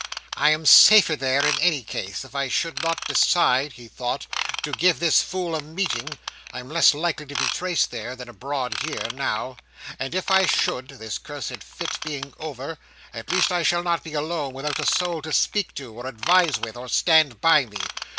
"I am safer there, in any case. If I should not decide," he thought, "to give this fool a meeting, I am less likely to be traced there, than abroad here, now. And if I should (this cursed fit being over), at least I shall not be alone, without a soul to speak to, or advise with, or stand by me.